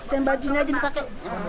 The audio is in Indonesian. dan bajunya juga pakai